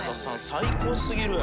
最高すぎるやろ。